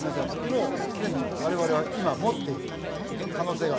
もうすでに我々は今持っている可能性がある？